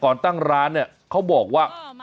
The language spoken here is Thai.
ตั้งร้านเนี่ยเขาบอกว่า